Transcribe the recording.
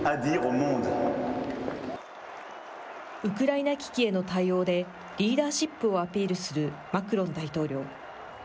ウクライナ危機への対応で、リーダーシップをアピールするマクロン大統領。